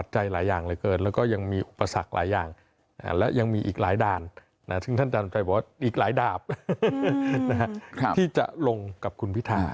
อีกหลายดาบที่จะลงกับคุณพิธา